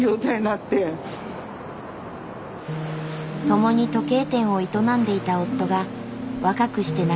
共に時計店を営んでいた夫が若くして亡くなった。